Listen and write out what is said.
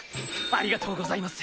ありがとうございます！